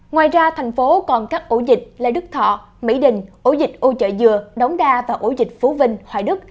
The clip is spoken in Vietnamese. ngoài ra thành phố còn các ổ dịch là đức thọ mỹ đình ổ dịch ô chợ dừa đống đa và ổ dịch phú vinh hoài đức